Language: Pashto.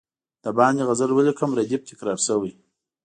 د باندي غزل ولیکم ردیف تکرار شوی.